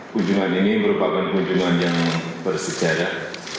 kunjungan ini merupakan kunjungan yang bersejarah